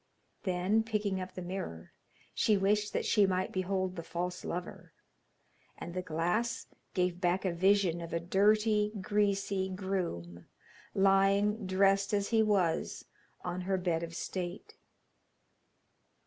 Then, picking up the mirror, she wished that she might behold the false lover; and the glass gave back a vision of a dirty, greasy groom, lying, dressed as he was, on her bed of state.